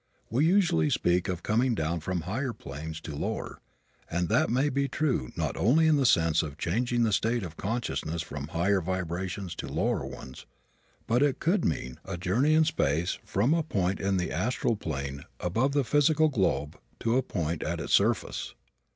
We usually speak of coming down from higher planes to lower and that may be true not only in the sense of changing the state of consciousness from higher vibrations to lower ones but it could mean a journey in space from a point in the astral plane above the physical globe to a point at its surface.